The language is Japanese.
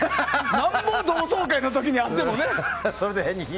なんぼ同窓会の時に会ってもね。